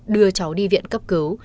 đưa cháu đi viện cấp cứu